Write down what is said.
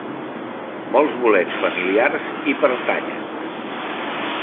Molts bolets familiars hi pertanyen.